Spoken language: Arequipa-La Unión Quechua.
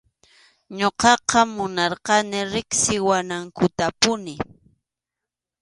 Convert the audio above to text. Ñuqaqa munarqani riqsiwanankutapuni.